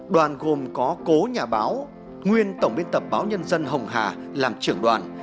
đoàn gồm có cố nhà báo nguyên tổng biên tập báo nhân dân hồng hà làm trưởng đoàn